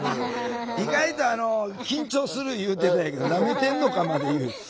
意外とあの「緊張する」言うてたんやけど「なめてんのか」まで言う。